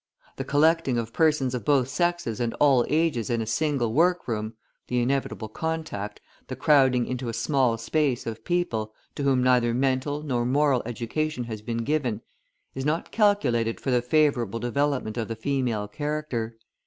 The collecting of persons of both sexes and all ages in a single workroom, the inevitable contact, the crowding into a small space of people, to whom neither mental nor moral education has been given, is not calculated for the favourable development of the female character.